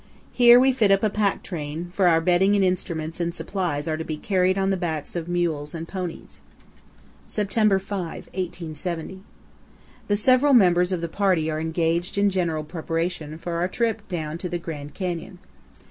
Here we fit up a pack train, for our bedding and instruments and supplies are to be carried on the backs of mules and ponies. September 5, 1870. The several members of the party are engaged in general preparation for our trip down to the Grand Canyon.